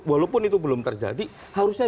walaupun itu belum terjadi harusnya